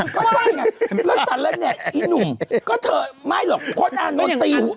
ก็ใช่ไงแล้วสั่นแล้วเนี่ยไอ้หนุ่มก็เธอไม่หรอกพดอ่านโต๊ะติ๋ว